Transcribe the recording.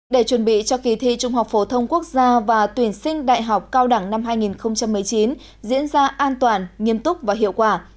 để chuẩn bị cho kỳ thi trung học phổ thông quốc gia và tuyển sinh đại học cao đẳng năm hai nghìn một mươi chín diễn ra an toàn nghiêm túc và hiệu quả